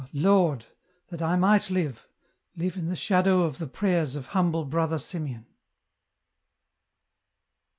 Ah ! Lord, that I might live, live in the shadow of the prayers of humble Brother Simeon